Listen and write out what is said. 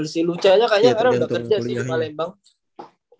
si lucha nya kayaknya udah kerja sih di palembang